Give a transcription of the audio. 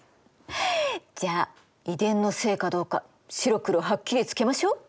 じゃあ遺伝のせいかどうか白黒はっきりつけましょう！